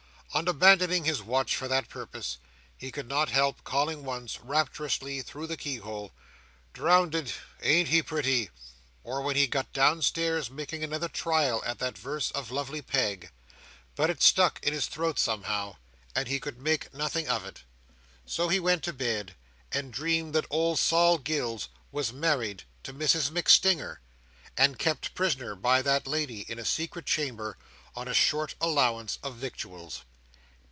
On abandoning his watch for that purpose, he could not help calling once, rapturously, through the keyhole, "Drownded. Ain't he, pretty?"—or, when he got downstairs, making another trial at that verse of Lovely Peg. But it stuck in his throat somehow, and he could make nothing of it; so he went to bed, and dreamed that old Sol Gills was married to Mrs MacStinger, and kept prisoner by that lady in a secret chamber on a short allowance of victuals.